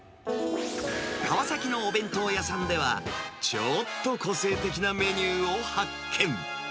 川崎のお弁当屋さんでは、ちょっと個性的なメニューを発見。